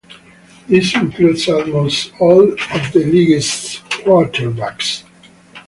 This includes almost all of the league's quarterbacks.